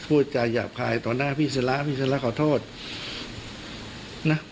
พูดจะหยับคลายตอนหน้าพี่เสร้าพี่เสร้าขอโทษน่ะ